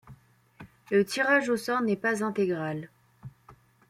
Le tirage au sort n'est pas intégral.